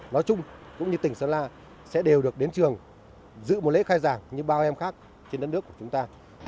nói chung cũng như tỉnh sơn la sẽ đều được đến trường dự một lễ khai giảng như bao em khác trên đất nước của chúng ta